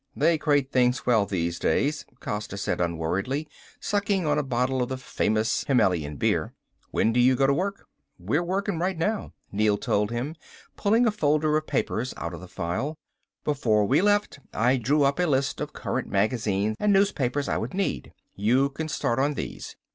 "They crate things well these days," Costa said unworriedly, sucking on a bottle of the famous Himmelian beer. "When do you go to work?" "We're working right now," Neel told him, pulling a folder of papers out of the file. "Before we left I drew up a list of current magazines and newspapers I would need. You can start on these.